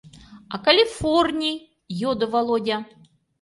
— А Калифорний? — йодо Володя.